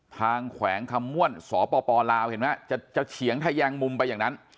แขวงคำม่วนสปลาวเห็นไหมจะเฉียงทะแยงมุมไปอย่างนั้น